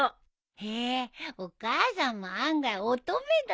へえお母さんも案外乙女だね。